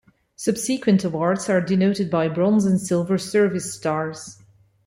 Subsequent awards are denoted by bronze and silver service stars.